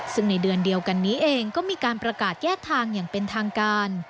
ซึ่งในเดือนเดียวกันนี้เองก็มีการประกาศแยกทางอย่างเป็นทางการ